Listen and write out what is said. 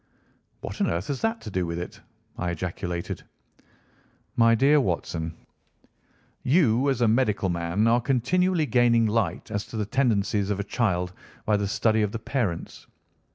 "What on earth has that to do with it?" I ejaculated. "My dear Watson, you as a medical man are continually gaining light as to the tendencies of a child by the study of the parents.